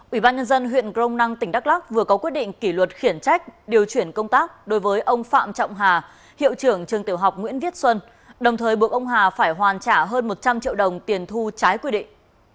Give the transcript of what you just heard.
ủy ban nhân dân huyện grong năng tỉnh đắk lắc vừa có quyết định kỷ luật khiển trách điều chuyển công tác đối với ông phạm trọng hà hiệu trưởng trường tiểu học nguyễn viết xuân đồng thời buộc ông hà phải hoàn trả hơn một trăm linh triệu đồng tiền thu trái quy định